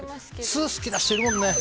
酢、好きな人いるもんね。